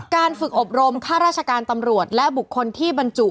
การฝึกอบรมค่าราชการตำรวจและบุคคลที่บรรจุ